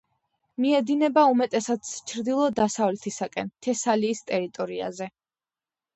მიედინება უმეტესად ჩრდილო-დასავლეთისაკენ, თესალიის ტერიტორიაზე.